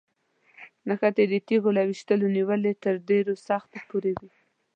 نښتې د تیږو له ویشتلو نیولې تر ډېرو سختو پورې وي.